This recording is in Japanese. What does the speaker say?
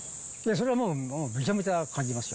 それはもう、めちゃめちゃ感じますよ。